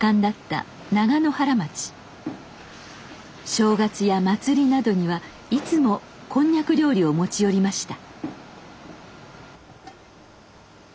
正月や祭りなどにはいつもこんにゃく料理を持ち寄りました。